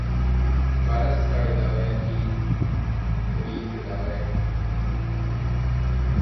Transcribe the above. ވަރަށް ސަޅި ލަވަޔަކީ ރީތި ލަވައެއް